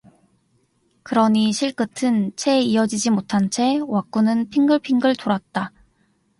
그러니 실끝은 채 이어지지 못한 채 와꾸는 핑글핑글 돌았다.